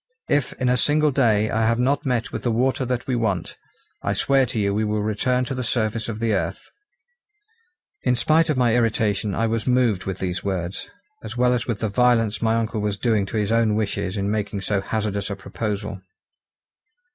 If in a single day I have not met with the water that we want, I swear to you we will return to the surface of the earth." In spite of my irritation I was moved with these words, as well as with the violence my uncle was doing to his own wishes in making so hazardous a proposal.